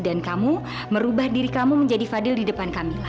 dan kamu merubah diri kamu menjadi fadil di depan kamila